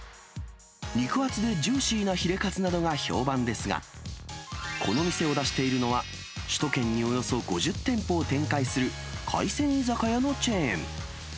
肉厚でジューシーなヒレカツなどが評判ですが、この店を出しているのは、首都圏におよそ５０店舗を展開する海鮮居酒屋のチェーン。